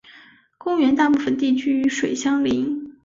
公园大部分地区与水相邻。